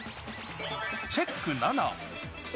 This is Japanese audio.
チェック７。